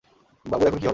বাবুর এখন কি হবে?